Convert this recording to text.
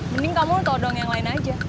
mending kamu todong yang lain aja